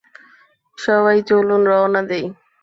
সবাই, চলুন রওনা দেই।